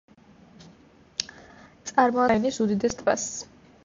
წარმოადგენს ფართობით უკრაინის უდიდეს ტბას.